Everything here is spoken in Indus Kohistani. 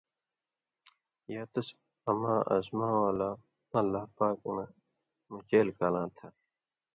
یا تُس اماں اسمان والا (اللہ پاک) نہ مُچېل کالاں تھہ